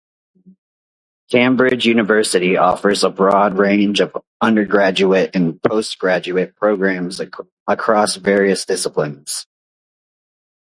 Cambridge University offers a broad range of undergraduate and postgraduate programs across various disciplines.